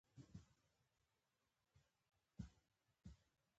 ښځې سر ټيت کړ.